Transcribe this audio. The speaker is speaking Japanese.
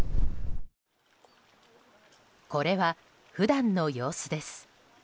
これは普段の様子です。